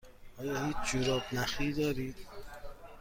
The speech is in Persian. آیا هیچ جوراب نخی دارید؟